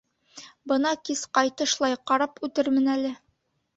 Бына кис, ҡайтышлай, ҡарап үтермен әле.